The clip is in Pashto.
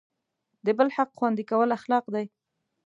د بل حق خوندي کول اخلاق دی.